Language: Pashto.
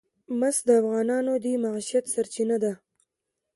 مس د افغانانو د معیشت سرچینه ده.